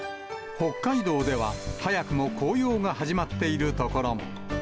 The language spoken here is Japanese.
北海道では早くも紅葉が始まっている所も。